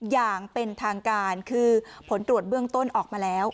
อย่างเป็นทางการคือผลตรวจเบื้องต้นออกมาแล้ว